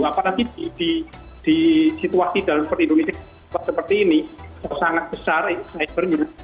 apalagi di situasi dalam perlindungan seperti ini sangat besar cybernya